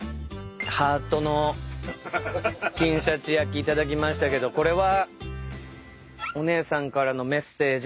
ハートの金しゃち焼き頂きましたけどこれは。